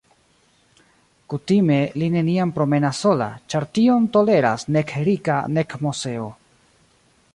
Kutime li neniam promenas sola, ĉar tion toleras nek Rika, nek Moseo.